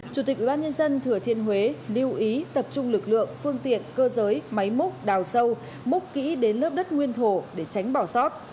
chủ tịch ubnd thừa thiên huế lưu ý tập trung lực lượng phương tiện cơ giới máy múc đào sâu múc kỹ đến lớp đất nguyên thổ để tránh bỏ sót